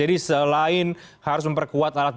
jadi selain harus memperkuat alat